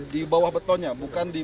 di bawah betonnya bukan di